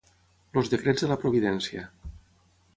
Els decrets de la providència.